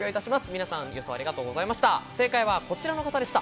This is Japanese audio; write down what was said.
皆さん、予想ありがとうございました。